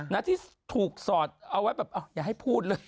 นะที่ถูกสอดเอาไว้แบบอย่าให้พูดเลย